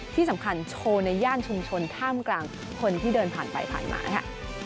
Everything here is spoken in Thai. ที่สำคัญโชว์ในย่านชุมชนท่ามกลางคนที่เดินผ่านไปผ่านมาค่ะ